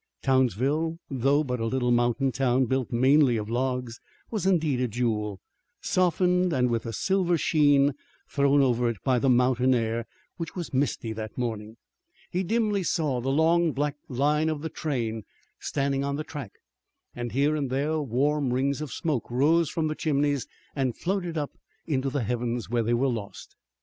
Townsville, though but a little mountain town built mainly of logs, was indeed a jewel, softened and with a silver sheen thrown over it by the mountain air which was misty that morning. He dimly saw the long black line of the train standing on the track, and here and there warm rings of smoke rose from the chimneys and floated up into the heavens, where they were lost.